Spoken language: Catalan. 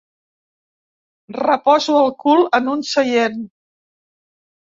Reposo el cul en un seient.